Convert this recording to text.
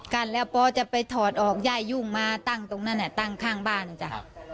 กั้นแล้วปอจะไปถอดออกย่ายุ่งมาตั้งตรงนั้นตั้งข้างบ้านนะจ๊ะ